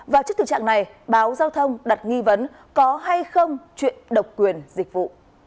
và trước thực trạng này báo giao thông đặt nghi vấn có hay không chuyện độc quyền dịch vụ